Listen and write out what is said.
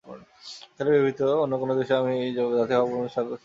Italy ব্যতীত অন্য কোন দেশে আমি এই জাতীয় ভাবব্যঞ্জক স্থাপত্যশিল্প দেখি নাই।